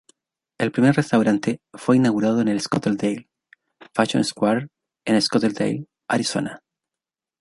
El primer restaurante fue inaugurado en el Scottsdale Fashion Square en Scottsdale, Arizona.